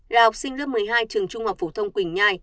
là học sinh lớp một mươi hai trường trung học phổ thông quỳnh nhai